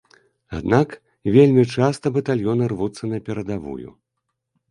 Аднак вельмі часта батальёны рвуцца на перадавую.